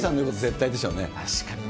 確かにね。